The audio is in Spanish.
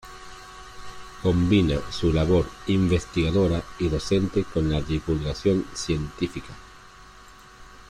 Combina su labor investigadora y docente con la divulgación científica.